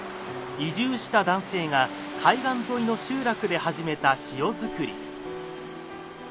移住した男性が海岸沿いの集落で始めた塩づくり。